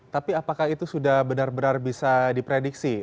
tapi apakah itu sudah benar benar bisa diprediksi